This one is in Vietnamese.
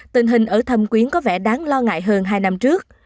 tình hình ở thâm quyến có vẻ đáng lo ngại hơn hai năm trước